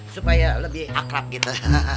supaya lebih akrab gitu